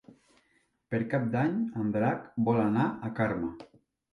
Per Cap d'Any en Drac vol anar a Carme.